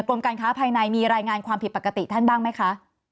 กรมการค้าภายในมีรายงานความผิดปกติท่านบ้างไหมคะ